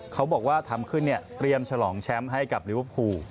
เขาบอกว่าทำขึ้นเนี่ยเตรียมฉลองแชมป์ให้กับลิเวอร์พูล